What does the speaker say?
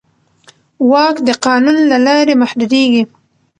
واک د قانون له لارې محدودېږي.